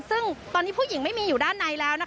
ซึ่งตอนนี้ผู้หญิงไม่มีอยู่ด้านในแล้วนะคะ